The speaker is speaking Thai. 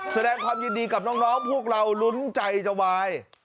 แสดงความยินดีกับน้องพวกเรารุ้นใจจะวาย